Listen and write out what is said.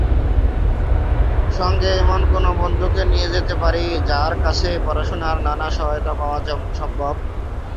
সঙ্গে এমন কোনো বন্ধুকে নিয়ে যেতে পারি, যার কাছে পড়াশুনার নানা সহায়তা পাওয়া সম্ভব।